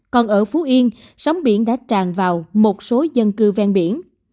còn ở phú yên sóng biển đã tràn vào một số dân cư ven biển